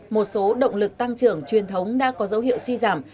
một số động lực tăng trưởng truyền thống đã có dấu hiệu suy giảm